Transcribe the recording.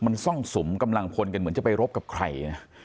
มันซ่องสุมกำลังพลกันเหมือนจะไปรบกับใครนะ